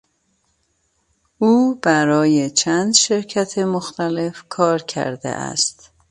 او برای چند شرکت مختلف کار کرده است.